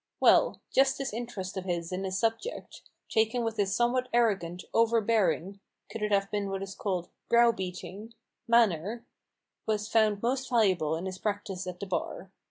Well ! just this interest of his in his subject, taken with his somewhat arrogant, overbearing (could it have been what is called browbeating ?) manner, was found most valuable in his practice at the Bar.